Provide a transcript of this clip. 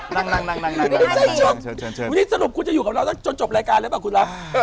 วันนี้สรุปคุณจะอยู่กับเราจนจบรายการเลยป่ะคุณลักษณ์